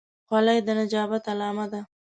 خولۍ د نجابت علامه ده.